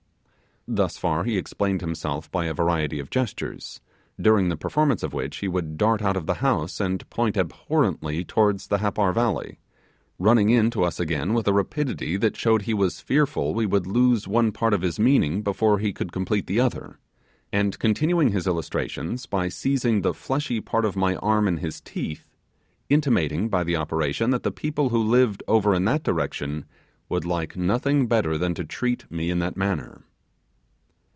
Thus far he explained himself by a variety of gestures, during the performance of which he would dart out of the house, and point abhorrently towards the Happar valley; running in to us again with a rapidity that showed he was fearful he would lose one part of his meaning before he could complete the other; and continuing his illustrations by seizing the fleshy part of my arm in his teeth, intimating by the operation that the people who lived over in that direction would like nothing better than to treat me in that manner.